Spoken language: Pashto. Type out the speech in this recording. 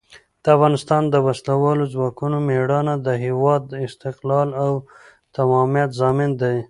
د افغانستان د وسلوالو ځواکونو مېړانه د هېواد د استقلال او تمامیت ضامن ده.